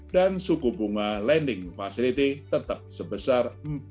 dan suku bunga lending facility tetap sebesar empat dua puluh lima